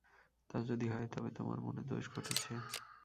তা যদি হয় তবে তোমার মনে দোষ ঘটেছে।